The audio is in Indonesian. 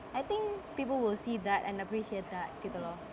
saya pikir orang akan melihat dan menghargai itu